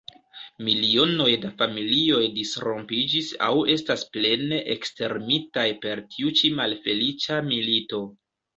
Milionoj da familioj disrompiĝis aŭ estas plene ekstermitaj per tiu ĉi malfeliĉa milito.